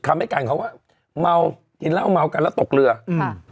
คำให้การมาวที่เล่ามาวกันแล้วตกเรืออืม